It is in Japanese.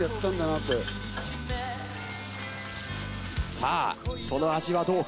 さあその味はどうか？